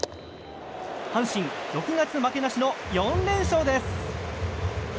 阪神、６月負けなしの４連勝です！